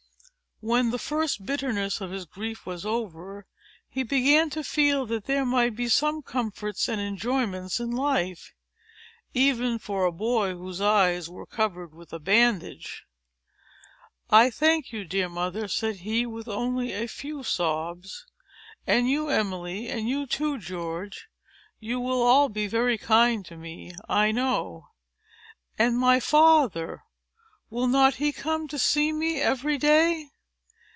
When the first bitterness of his grief was over, he began to feel that there might be some comforts and enjoyments in life, even for a boy whose eyes were covered with a bandage. "I thank you, dear mother," said he, with only a few sobs, "and you, Emily; and you too, George. You will all be very kind to me, I know. And my father—will not he come and see me, every day?"